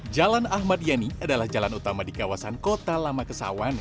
jalan ahmad yani adalah jalan utama di kawasan kota lama kesawan